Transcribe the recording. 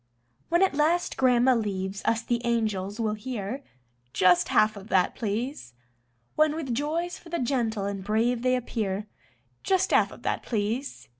When at last Grandma leaves us the angels will hear: "Just half of that, please." When with joys for the gentle and brave they appear: "Just half of that, please."